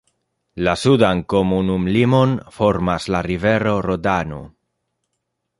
La sudan komunumlimon formas la rivero Rodano.